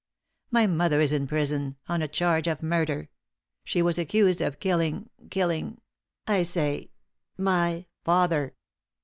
My mother is in prison on a charge of murder; she was accused of killing killing, I say my father!"